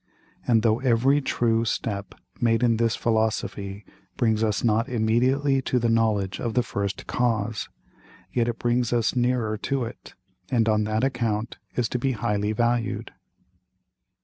And though every true Step made in this Philosophy brings us not immediately to the Knowledge of the first Cause, yet it brings us nearer to it, and on that account is to be highly valued.